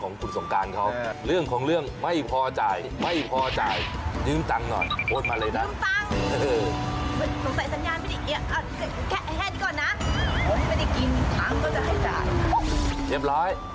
ขอคุยตั้งแต่นี่ไม่ได้อะไรมาเล่นเหรอ